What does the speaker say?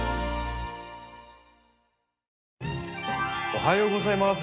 おはようございます。